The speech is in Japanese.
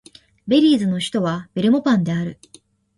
ベリーズの首都はベルモパンである